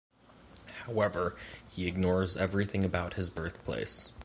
However, he ignores everything about his birthplace.